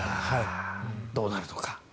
どうなるのか。